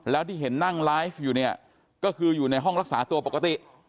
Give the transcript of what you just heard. แล้วที่เห็นนั่งไลฟ์อยู่เนี่ยก็คืออยู่ในห้องรักษาตัวปกติ